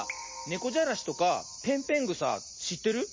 ねこじゃらしとかぺんぺんぐさしってる？